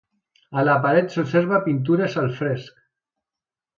A la paret s'observa pintures al fresc.